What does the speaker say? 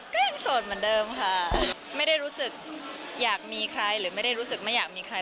ก็ยังโสดเหมือนเดิมค่ะไม่ได้รู้สึกอยากมีใครหรือไม่ได้รู้สึกไม่อยากมีใคร